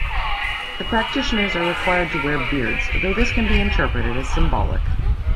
The practitioners are required to wear beards, though this can be interpreted as symbolic.